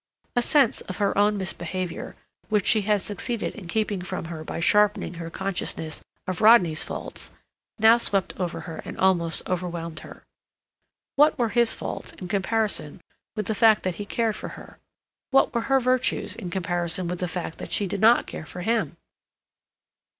A sense of her own misbehavior, which she had succeeded in keeping from her by sharpening her consciousness of Rodney's faults, now swept over her and almost overwhelmed her. What were his faults in comparison with the fact that he cared for her? What were her virtues in comparison with the fact that she did not care for him?